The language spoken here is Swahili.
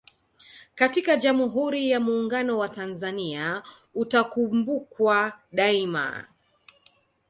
katika Jamuhuri ya Muuunguno wa Tanzania utakumbukwa daima